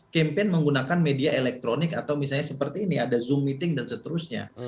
campaign menggunakan media elektronik atau misalnya seperti ini ada zoom meeting dan seterusnya